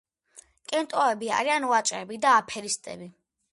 კინტოები არიან ვაჭრები და აფერისტები